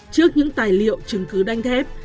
trước những tài liệu chứng cứ đanh thép